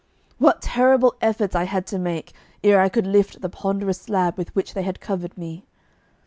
What terrible efforts I had to make ere I could lift the ponderous slab with which they had covered me!